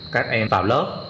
các em vào lớp